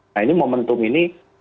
nah ini momentum ini